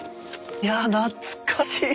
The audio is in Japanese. いや懐かしい！